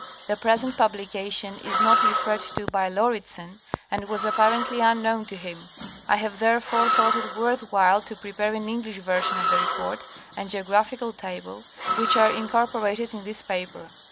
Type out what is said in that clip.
The present publication is not re ferred to by Lauridsen and was apparently unknown to him. I have therefore thought it worth while to prepare an English version of the report and geographical table which are incorporated in. this paper.